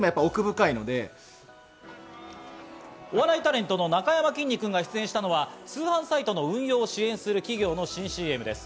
お笑いタレントのなかやまきんに君が出演したのは通販サイトの運用を支援する企業の新ＣＭです。